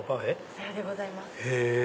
さようでございます。